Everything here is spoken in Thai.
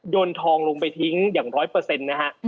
นทองลงไปทิ้งอย่างร้อยเปอร์เซ็นต์นะฮะ